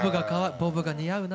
ボブが似合うな。